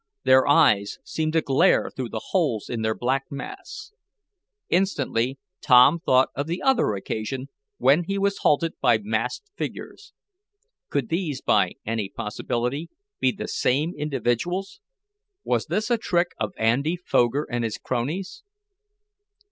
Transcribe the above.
Their eyes seemed to glare through the holes in their black masks. Instantly Tom thought of the other occasion when he was halted by masked figures. Could these, by any possibility, be the same individuals? Was this a trick of Andy Foger and his cronies?